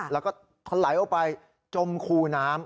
แล้วก็ทะไหลออกไปจมคูน้ำ